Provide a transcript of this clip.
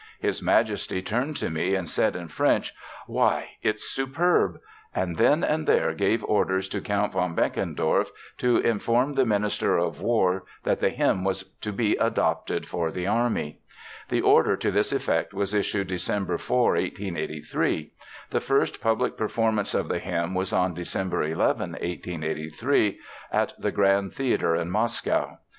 His Majesty turned to me and said in French: 'Why, it's superb!' and then and there gave orders to Count von Benkendorf to inform the Minister of War that the hymn was to be adopted for the army. The order to this effect was issued December 4, 1883. The first public performance of the hymn was on December 11, 1883, at the Grand Theater in Moscow.